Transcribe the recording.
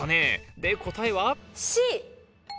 で答えは？